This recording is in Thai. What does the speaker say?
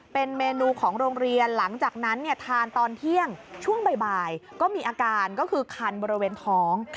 เป็นเมนูของโรงเรียนหลังจากนั้นทานตอนเที่ยงช่วงบ่ายก็มีอาการก็คือคันบริเวณท้อง